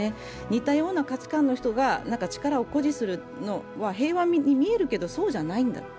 似たような価値観の人が力を誇示するのは平和に見えるけど、そうじゃないんだと。